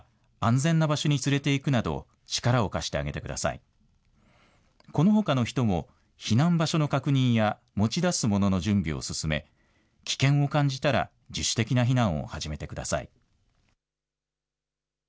このほかの人も避難場所の確認や持ち出すものの準備を進め危険を感じたら自主的な避難を始めてください。